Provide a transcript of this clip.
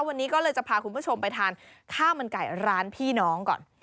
วันนี้ก็เลยจะพาคุณผู้ชมไปทานข้าวมันไก่ร้านพี่น้องก่อน